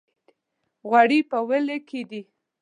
غوړي په وېل کې دي.